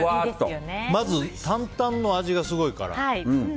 まず坦々の味がすごいから。